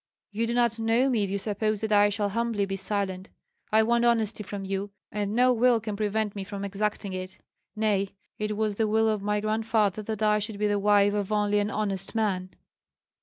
You do not know me if you suppose that I shall humbly be silent. I want honesty from you, and no will can prevent me from exacting it. Nay, it was the will of my grandfather that I should be the wife of only an honest man."